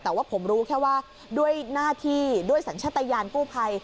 แต่ว่าผมรู้แค่ว่าด้วยหน้าที่ด้วยสัญชาตยานกู้ภัย